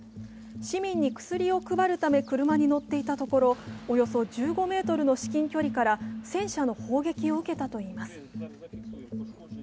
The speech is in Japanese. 市民に薬を配るため車に乗っていたところ、およそ１５ｍの至近距離から戦車の砲撃を受けたといいます。